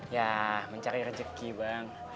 yah mencari rejeki bang